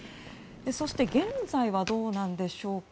そして現在はどうなんでしょうか。